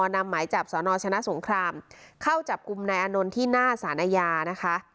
นำหมายจับสนชนะสงครามเข้าจับกลุ่มนายอานนท์ที่หน้าสารอาญานะคะ